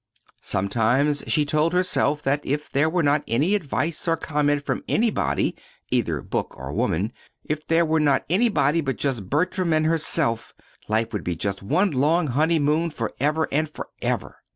Sometimes she told herself that if there were not any advice or comment from anybody either book or woman if there were not anybody but just Bertram and herself, life would be just one long honeymoon forever and forever.